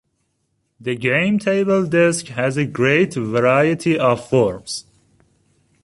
The games table desk has a great variety of forms.